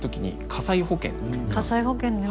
火災保険ね